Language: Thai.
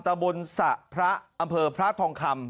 ตะบนสระพระอำเภอพระทองคำ